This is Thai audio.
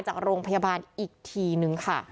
จากโรงพยาบาลอีกทีนึงค่ะ